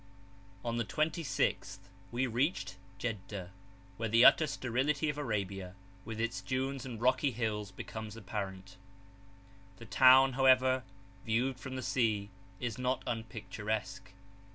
[p.410]On the 26th we reached Jeddah, where the utter sterility of Arabia, with its dunes and rocky hills, becomes apparent. The town, however, viewed from the sea, is not unpicturesque.